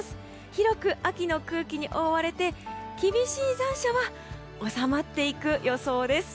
広く秋の空気に覆われて厳しい残暑は収まっていく予想です。